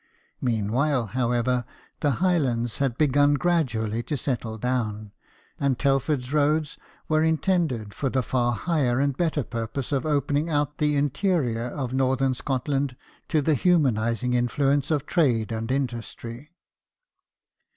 Meanwhile, however, the Highlands had begun gradually to settle down ; and Telford's roads were intended for the far higher and better purpose of opening out the interior of northern Scotland to the humanizing influences of trade and industry.